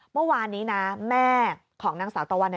เมื่อวานนี้นะแม่ของนางสาวตะวันเนี่ย